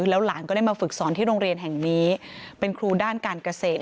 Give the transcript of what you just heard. แล้วหลานก็ได้มาฝึกสอนที่โรงเรียนแห่งนี้เป็นครูด้านการเกษตร